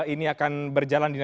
ini akan berjalan